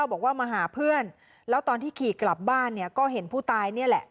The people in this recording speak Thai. บอกว่ามาหาเพื่อนแล้วตอนที่ขี่กลับบ้านเนี่ยก็เห็นผู้ตายนี่แหละ